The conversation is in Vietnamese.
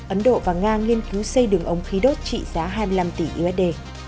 ấn độ và nga nghiên cứu xây đường ống khí đốt trị giá hai mươi năm tỷ usd